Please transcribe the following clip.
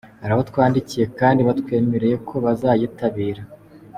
Hari abo twandikiye kandi batwemereye ko bazayitabira”.